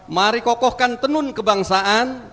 mari kokohkan tenun kebangsaan